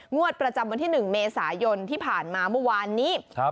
งวดประจำวันที่๑เมษายนที่ผ่านมาเมื่อวานนี้